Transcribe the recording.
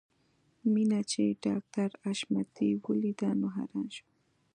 مينه چې ډاکټر حشمتي وليده نو حیران شو